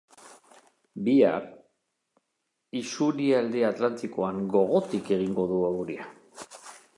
Bihar, isurialde atlantikoan gogotik egingo du euria.